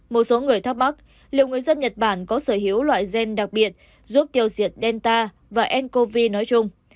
một số người thắc mắc liệu người dân nhật bản có sở hữu loại gen đặc biệt giúp tiêu diệt denta và ncov nói chung